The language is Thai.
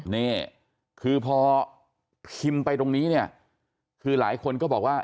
นี่คือพอพิมพ์ไปตรงนี้เนี่ยคือหลายคนก็บอกว่า